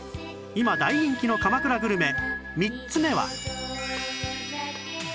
今大人気の鎌倉グルメ３つ目は